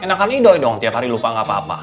enak kan i doi dong tiap hari lupa gak apa apa